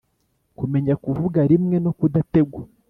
kumenya kuvuga rimwe no kudategwa.